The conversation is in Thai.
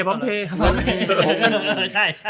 พร้อมเพย์